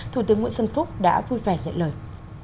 thủ tướng nguyễn xuân phúc đã vui vẻ nhận lời